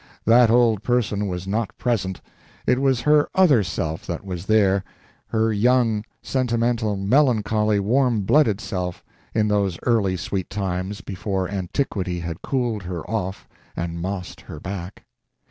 That old person was not present it was her other self that was there, her young, sentimental, melancholy, warm blooded self, in those early sweet times before antiquity had cooled her off and mossed her back.